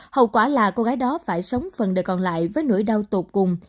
hậu quả là cô gái đó phải sống phần đời còn lại với nỗi đau tột cùng